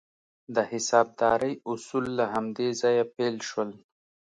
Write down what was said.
د حسابدارۍ اصول له همدې ځایه پیل شول.